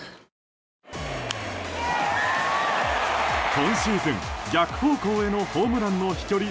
今シーズン、逆方向へのホームランの飛距離